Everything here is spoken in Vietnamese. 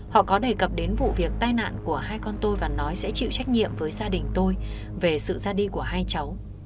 họ có đề cập đến vụ việc tai nạn của hai con tôi và nói sẽ chịu trách nhiệm với gia đình tôi về sự ra đi của hai cháu